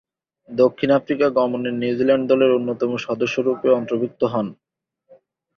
দক্ষিণ আফ্রিকা গমনে নিউজিল্যান্ড দলের অন্যতম সদস্যরূপে অন্তর্ভুক্ত হন।